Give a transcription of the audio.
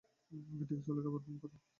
টেক্সিওয়ালাকে আবার ফোন কর।